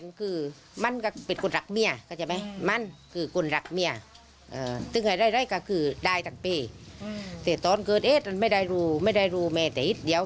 รู้ตัวอีกทีคือยิงกันแล้วตายไปแล้ว